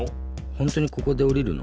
ほんとにここでおりるの？